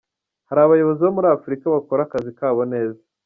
Hari abayobozi bo muri Afurika bakora akazi kabo neza.